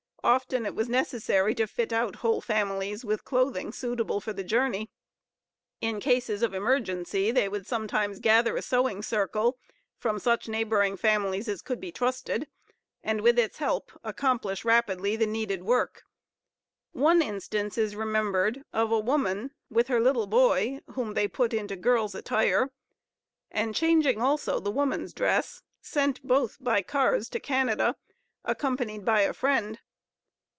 Often it was necessary to fit out whole families with clothing suitable for the journey. In cases of emergency they would sometimes gather a sewing circle from such neighboring families as could be trusted; and, with its help, accomplish rapidly the needed work. One instance is remembered, of a woman, with her little boy, whom they put into girls' attire; and, changing also the woman's dress, sent both, by cars, to Canada, accompanied by a friend.